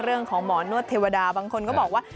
เรื่องของหมอนวดเทวดาบางคนก็บอกว่า